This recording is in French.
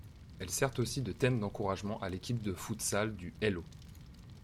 Elle sert aussi de thème d'encouragement à l'équipe de futsal du Hello!